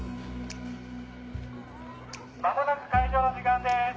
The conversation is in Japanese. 間もなく開場の時間です。